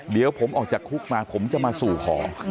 เดี๋ยวผมออกจากคุกมาผมจะมาสู่ของ